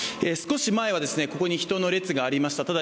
少し前はここに人の列がありました。